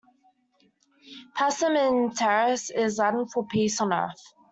"Pacem in terris" is Latin for 'Peace on Earth'.